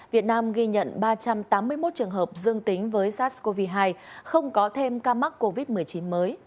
việt nam ghi nhận ba trăm tám mươi một trường hợp dương tính với sars cov hai không có thêm ca mắc covid một mươi chín mới